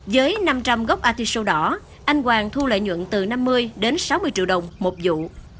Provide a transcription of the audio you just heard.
với năm trăm linh gốc atishud đỏ anh hoàng thu lợi nhuận từ năm mươi đến sáu mươi triệu đồng một vụ